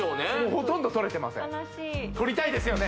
ほとんど取れてません取りたいですよね？